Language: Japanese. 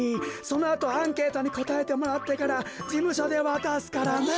そのあとアンケートにこたえてもらってからじむしょでわたすからね。